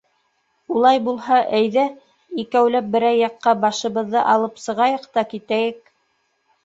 Улай булһа, әйҙә, икәүләп берәй яҡҡа башыбыҙҙы алып сығайыҡ та китәйек!